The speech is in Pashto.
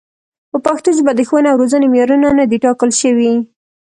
په پښتو ژبه د ښوونې او روزنې معیارونه نه دي ټاکل شوي.